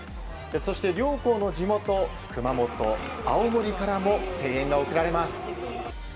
そして、両校の地元熊本、青森からも声援が送られます。